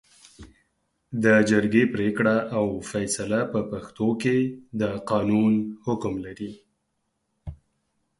د جرګې پرېکړه او فېصله په پښتو کې د قانون حکم لري